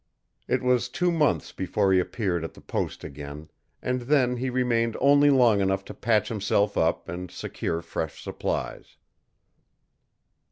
It was two months before he appeared at the post again, and then he remained only long enough to patch himself up and secure fresh supplies.